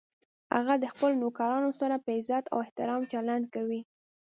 هغه د خپلو نوکرانو سره په عزت او احترام چلند کوي